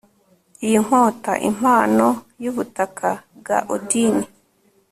Iyi nkota impano yubutaka bwa Odin